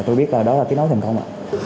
tôi biết đó là kết nối thành công